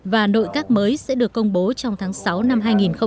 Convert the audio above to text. và nội các mới sẽ được công bố trong tháng sáu năm hai nghìn một mươi chín